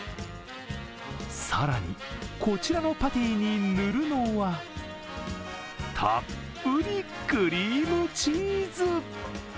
更に、こちらのパティに塗るのはたっぷりクリームチーズ。